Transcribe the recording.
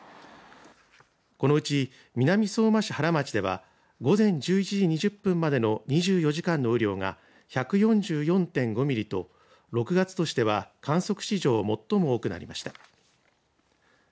このうち、南相馬市原町では午前１１時２０分までの２４時間の雨量が１４４．５ミリと６月としては観測史上最も多くなりました。